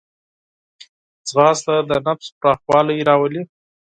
ځغاسته د نفس پراخوالی راولي